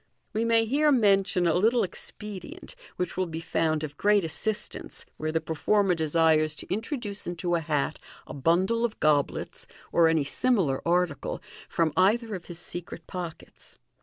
We may here mention a little expedient which will be found of great assistance where the performer desires to introduce into a hat a bundle of goblets (or any similar article) from either of his secret pockets.